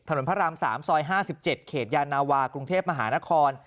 พระราม๓ซอย๕๗เขตยานาวากรุงเทพมหานคร